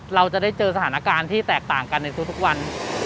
เราจะได้เจอสถานการณ์ที่แตกต่างกันในทุกวัน